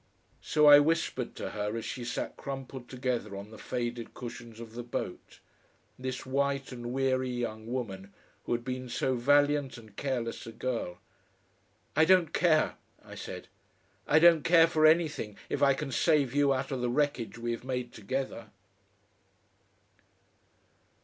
So I whispered to her as she sat crumpled together on the faded cushions of the boat, this white and weary young woman who had been so valiant and careless a girl. "I don't care," I said. "I don't care for anything, if I can save you out of the wreckage we have made together."